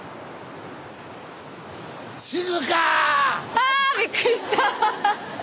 あびっくりした！